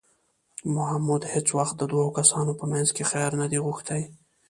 محمود هېڅ وخت د دوو کسانو په منځ کې خیر نه دی غوښتی